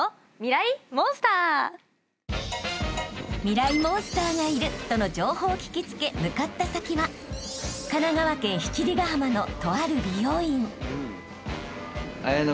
［ミライ☆モンスターがいるとの情報を聞き付け向かった先は神奈川県七里ヶ浜のとある美容院］